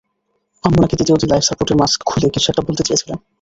আম্মু নাকি দ্বিতীয় দিন লাইফ সাপোর্টের মাস্ক খুলে কিছু একটা বলতে চেয়েছিলেন।